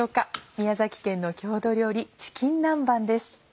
宮崎県の郷土料理「チキン南蛮」です。